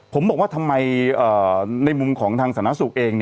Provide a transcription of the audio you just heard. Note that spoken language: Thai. ผมบอกว่าทำไมในมุมของทางสาธารณสุขเอง